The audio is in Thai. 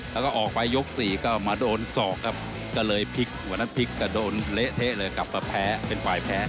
แล้วก็ออกไปยกสี่ก็มาโดนศอกครับก็เลยพลิกวันนั้นพลิกแต่โดนเละเทะเลยกลับมาแพ้เป็นฝ่ายแพ้